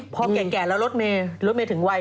พอแก่แล้วรถเมย์รถเมย์ถึงวัย